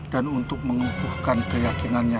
dan untuk mengukuhkan keyakinannya